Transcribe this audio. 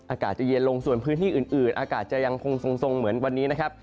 อากาศจะเย็นลงส่วนพื้นที่อื่นอากาศจะยังคงทรงเหมือนวันนี้นะครับ